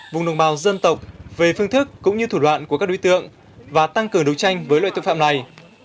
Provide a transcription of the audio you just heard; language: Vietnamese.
vùng đồng bào dân tộc về phương thức cũng như thủ đoạn của các đối tượng và tăng cường đấu tranh với loại tội phạm này